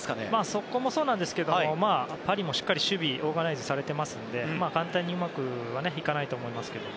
そこもそうですけどパリもしっかり守備がオーガナイズされているので簡単にうまくはいかないと思いますけど。